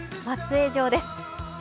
松江城です。